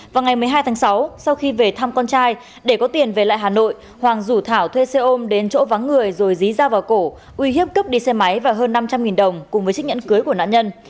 vào ngày một mươi hai tháng sáu sau khi về thăm con trai để có tiền về lại hà nội hoàng rủ thảo thuê xe ôm đến chỗ vắng người rồi dí ra vào cổ uy hiếp cướp đi xe máy và hơn năm trăm linh đồng cùng với chiếc nhẫn cưới của nạn nhân